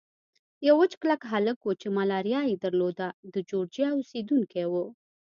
یو وچ کلک هلک وو چې ملاریا یې درلوده، د جورجیا اوسېدونکی و.